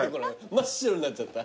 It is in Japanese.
真っ白になっちゃった。